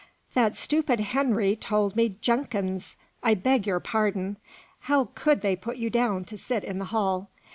"That stupid Henry told me 'Jenkins!' I beg your pardon. How could they put you down to sit in the hall?